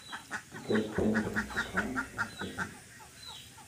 Die Kelchzähne sind begrannt und stechend.